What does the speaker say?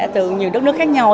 từ nhiều đất nước khác nhau